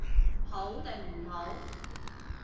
好定唔好？